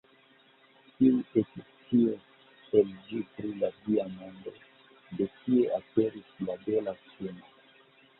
Kiu ekscios el ĝi pri la Dia mondo: De kie aperis la bela suno?